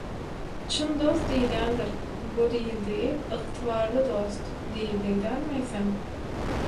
«Çyn dost» diýilýändir, bu diýildigi «Ygtybarly dost» diýildigi dälmi eýsem?